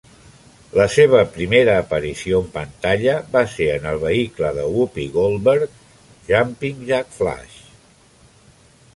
La seva primera aparició en pantalla va ser en el vehicle de Whoopi Goldberg "Jumpin Jack Flash".